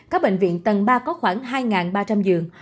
các bệnh viện tầng ba có khoảng hai ba trăm linh giường